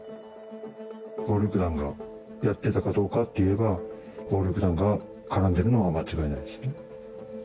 暴力団がやってたかどうかでいえば、暴力団が絡んでいるのは間違いないですね。